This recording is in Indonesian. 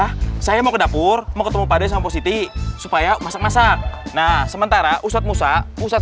hai saya mau ke dapur mau ketemu pada sama posisi supaya masak masak nah sementara usah musa usah